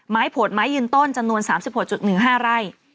โผลดไม้ยืนต้นจำนวน๓๖๑๕ไร่